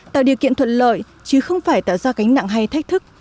tạo điều kiện thuận lợi chứ không phải tạo ra cánh nặng hay thách thức